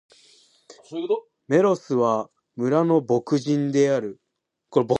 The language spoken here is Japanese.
メロスは、村の牧人である。